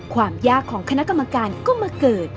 ความยากของคณะกรรมการก็มาเกิด